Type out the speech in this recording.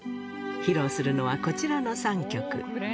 披露するのはこちらの３曲。